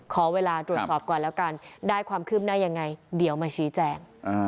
ขอเวลาตรวจสอบก่อนแล้วกันได้ความคืบหน้ายังไงเดี๋ยวมาชี้แจง